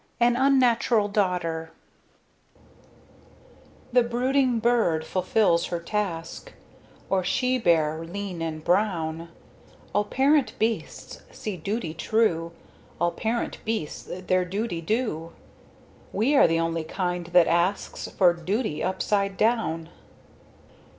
AN UNNATURAL DAUGHTER The brooding bird fulfills her task, Or she bear lean and brown; All parent beasts see duty true, All parent beasts their duty do, We are the only kind that asks For duty upside down.